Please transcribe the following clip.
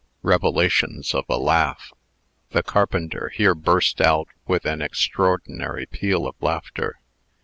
REVELATIONS OF A LAUGH. The carpenter here burst out with an extraordinary peal of laughter.